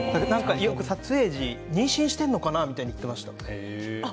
撮影時に妊娠しているのかな？って言っていました。